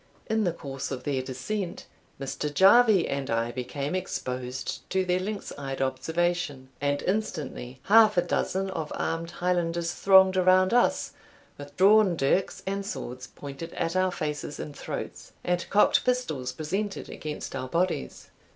In the course of their descent, Mr. Jarvie and I became exposed to their lynx eyed observation, and instantly half a dozen of armed Highlanders thronged around us, with drawn dirks and swords pointed at our faces and throats, and cocked pistols presented against our bodies.